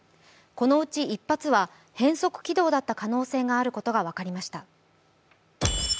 このうち１発は変則軌道だった可能性があることが分かりました。